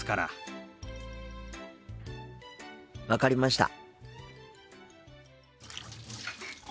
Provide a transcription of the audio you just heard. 分かりました。